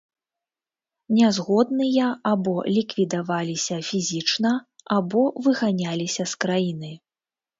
Нязгодныя або ліквідаваліся фізічна, або выганяліся з краіны.